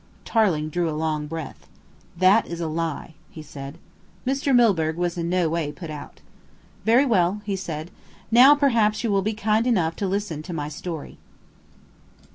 Tarling drew a long breath. "That is a lie," he said. Mr. Milburgh was in no way put out. "Very well," he said. "Now, perhaps you will be kind enough to listen to my story."